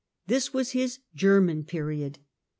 This was his " German period."